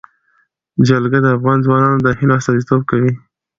جلګه د افغان ځوانانو د هیلو استازیتوب کوي.